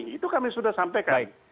itu kami sudah sampaikan